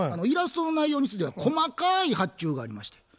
イラストの内容については細かい発注がありまして。